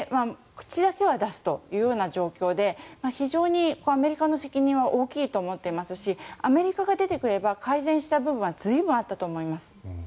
口だけは出すという状況で非常にアメリカの責任は大きいと思っていますしアメリカが出てくれば改善した部分は随分あったと思います。